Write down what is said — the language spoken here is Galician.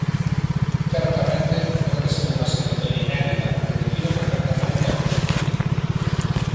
Certamente, trátase dunha situación inédita que define perfectamente a algúns políticos.